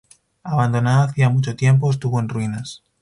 Abandonada hacía mucho tiempo, estuvo en ruinas.